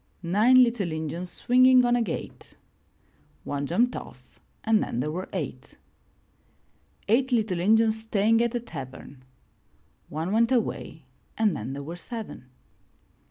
Nine little Injuns swinging on a gate — One jumped off and then there were eight. Eight little Injuns staying at a tavern — One went away and then there were seven.